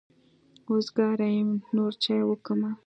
وزګاره يمه نور چای وکمه.